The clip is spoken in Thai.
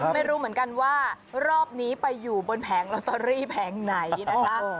ไม่รู้เหมือนกันว่ารอบนี้ไปอยู่บนแผงลอตเตอรี่แผงไหนนะคะ